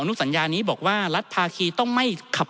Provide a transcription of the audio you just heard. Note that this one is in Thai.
ท่านประธานครับนี่คือสิ่งที่สุดท้ายของท่านครับ